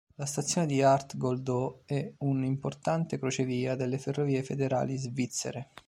La stazione di Arth-Goldau è un importante crocevia delle Ferrovie Federali Svizzere.